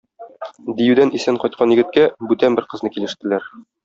Диюдән исән кайткан егеткә бүтән бер кызны килештеләр.